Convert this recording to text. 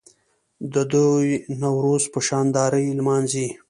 دوی نوروز په شاندارۍ لمانځي.